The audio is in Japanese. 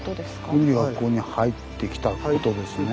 海がここに入ってきたことですね。